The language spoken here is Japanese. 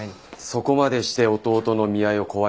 そこまでして弟の見合いを壊したい。